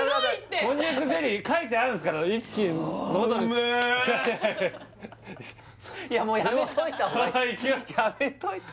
こんにゃくゼリー書いてあるんすからあっ